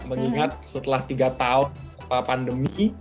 mengingat setelah tiga tahun pandemi